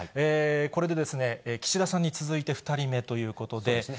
これで岸田さんに続いて２人目ということで。